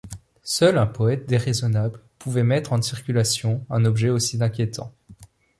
Seul un poète déraisonnable pouvait mettre en circulation un objet aussi inquiétant.